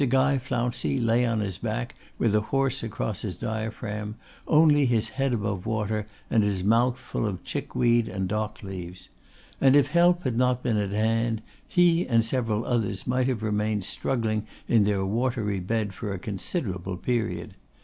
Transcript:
Guy Flouncey lay on his back with a horse across his diaphragm; only his head above the water, and his mouth full of chickweed and dockleaves. And if help had not been at hand, he and several others might have remained struggling in their watery bed for a considerable period.